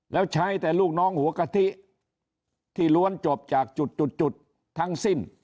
แล้วใช้แต่ลูกน้องหัวกะทิที่ล้วนจบจากจุดทั้งสิ้น